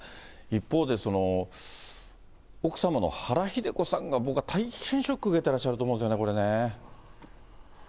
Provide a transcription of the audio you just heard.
一方で、奥様の原日出子さんが、僕は大変ショック受けてらっしゃると思うんですよね、これね。